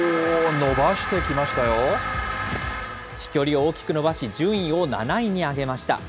飛距離を大きく伸ばし、順位を７位に上げました。